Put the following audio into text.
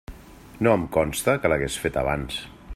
No em consta que l'hagués feta abans.